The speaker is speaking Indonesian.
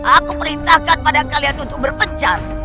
aku perintahkan pada kalian untuk berpencar